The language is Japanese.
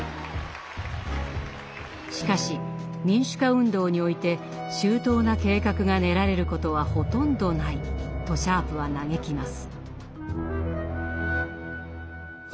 しかし民主化運動において「周到な計画が練られることはほとんどない」とシャープは嘆きます。